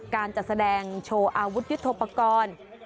การจัดแสดงโชว์อาวุธยุทธโปรกรณ์